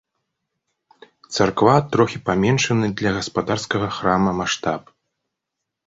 Царква трохі паменшаны для гаспадарскага храма маштаб.